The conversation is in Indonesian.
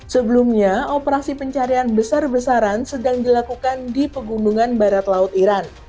sebelumnya operasi pencarian besar besaran sedang dilakukan di pegunungan barat laut iran